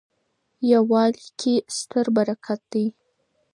یووالي کي ستر برکت دی.